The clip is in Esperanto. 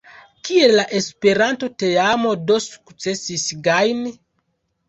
Kiel la Esperanto-teamo do sukcesis gajni?